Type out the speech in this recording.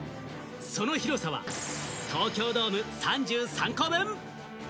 その広さは東京ドーム３３個分。